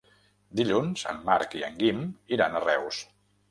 Dilluns en Marc i en Guim iran a Reus.